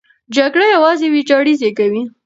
جګړه یوازې ویجاړۍ زېږوي.